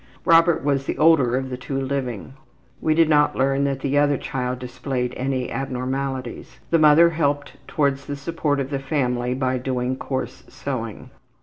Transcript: Robert was the older of the two living. We did not learn that the other child displayed any abnormalities. The mother helped towards the support of the family by doing coarse sewing.